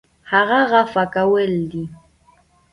هغه عفوه کول دي .